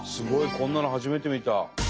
こんなの初めて見た。